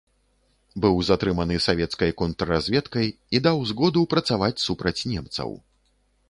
Быў затрыманы савецкай контрразведкай і даў згоду працаваць супраць немцаў.